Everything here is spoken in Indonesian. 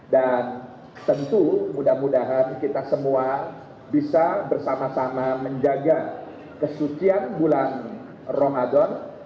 dan tentu mudah mudahan kita semua bisa bersama sama menjaga kesucian bulan ramadan